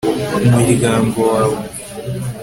umuryango wawe